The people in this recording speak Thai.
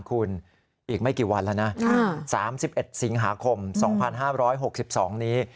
คุณอีกไม่กี่วันแล้วนะ๓๑สิงหาคม๒๕๖๒นี้